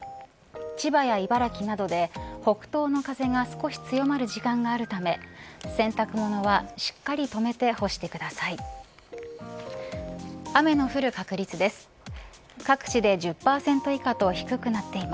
千葉や茨城などで北東の風が少し強まる時間があるため洗濯物しっかり留めて干してください。